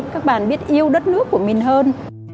các bạn biết yêu đất nước của mình hơn